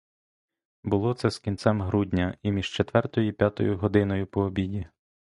Було це з кінцем грудня і між четвертою і п'ятою годиною по обіді.